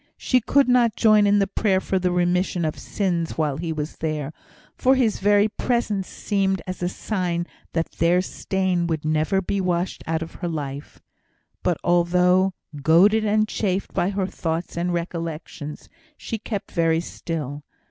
She could not join in the prayer for the remission of sins while he was there, for his very presence seemed as a sign that their stain would never be washed out of her life. But, although goaded and chafed by her thoughts and recollections, she kept very still.